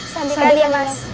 sambil kalian berdua